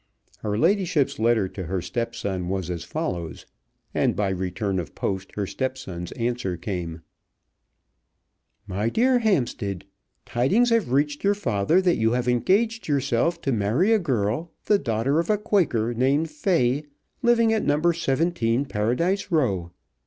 Her ladyship's letter to her stepson was as follows; and by return of post her stepson's answer came; MY DEAR HAMPSTEAD, Tidings have reached your father that you have engaged yourself to marry a girl, the daughter of a Quaker named Fay, living at No. 17, Paradise Row.